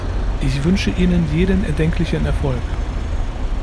Ich wünsche Ihnen jeden erdenklichen Erfolg.